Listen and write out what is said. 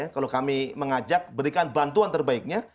kalau kami mengajak berikan bantuan terbaiknya